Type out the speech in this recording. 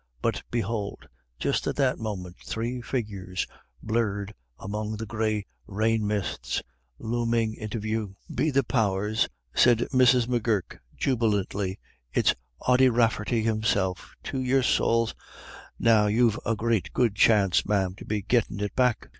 But behold, just at that moment three figures, blurred among the gray rain mists, looming into view. "Be the powers," said Mrs. M'Gurk, jubilantly, "it's Ody Rafferty himself. To your sowls! Now you've a great good chance, ma'am, to be gettin' it back.